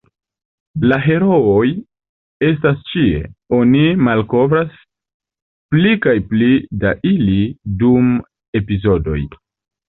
La herooj estas ĉie, oni malkovras pli kaj pli da ili dum epizodoj.